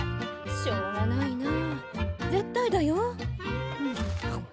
しょうがないなあ絶対だよ。